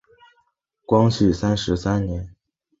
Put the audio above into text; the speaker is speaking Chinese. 光绪三十三年。